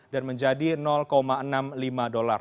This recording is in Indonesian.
dan menjadi enam puluh lima dolar